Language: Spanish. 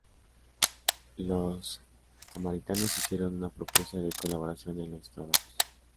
Los samaritanos hicieron una propuesta de colaboración en los trabajos.